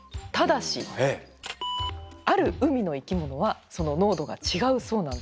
ただしある海の生き物はその濃度が違うそうなんです。